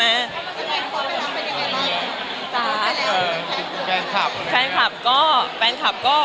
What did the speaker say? เขาจะเกมเขาไปรับความรักว่ายังไงปลอดภัย